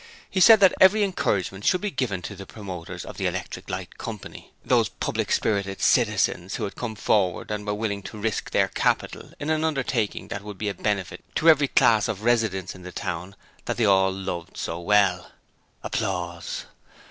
He said that every encouragement should be given to the promoters of the Electric Light Coy., those public spirited citizens who had come forward and were willing to risk their capital in an undertaking that would be a benefit to every class of residents in the town that they all loved so well.